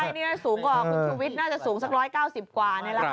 ใช่นี่สูงกว่าคุณชูวิทย์น่าจะสูงสัก๑๙๐กว่านี่แหละค่ะ